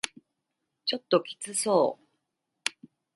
ちょっときつそう